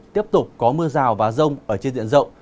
tiếp tục có mưa rào và rông ở trên diện rộng